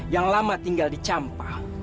yang lama tinggal di campah